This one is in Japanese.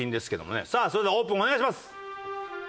さあそれではオープンお願いします。